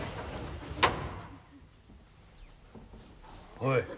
おい。